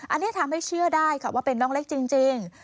อันนี้ทำให้เชื่อได้ค่ะว่าเป็นน้องเล็กจริง